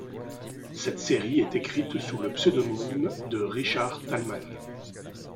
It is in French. Cette série est écrite sous le pseudonyme de Richard Taleman.